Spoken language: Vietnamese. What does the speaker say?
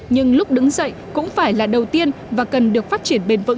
nhưng lúc đứng dậy cũng phải là đầu tiên và cần được phát triển bền vững